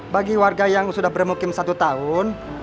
bagi warga yang sudah bermukim satu tahun